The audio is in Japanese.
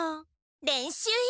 練習よ！